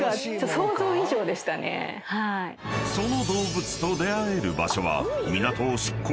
［その動物と出会える場所は］